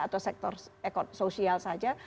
atau sektor sosial saja